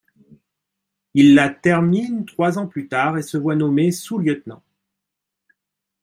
Il la termine trois ans plus tard et se voit nommer sous-lieutenant.